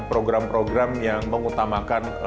program program yang mengutamakan